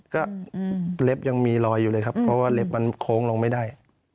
ก็เล็บยังมีรอยอยู่เลยครับเพราะว่าเล็บมันโค้งลงไม่ได้